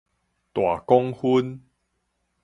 大管薰